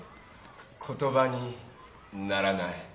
言ばにならない。